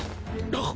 あっ！